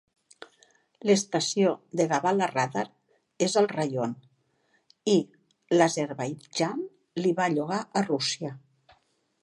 L'Estació de Gabala Radar és al raion, i l'Azerbaidjan li va llogar a Rússia.